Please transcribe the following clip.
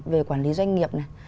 về quản lý doanh nghiệp này